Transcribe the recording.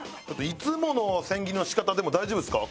いつもの千切りの仕方でも大丈夫ですか？